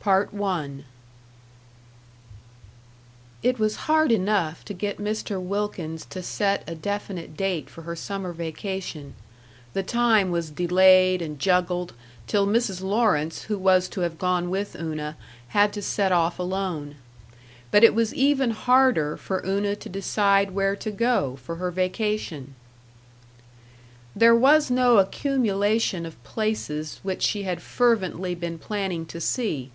CHAPTER XIII It was hard enough to get Mr. Wilkins to set a definite date for her summer vacation; the time was delayed and juggled till Mrs. Lawrence, who was to have gone with Una, had to set off alone. But it was even harder for Una to decide where to go for her vacation. There was no accumulation of places which she had fervently been planning to see.